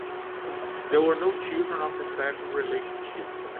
There were no children of the second relationship.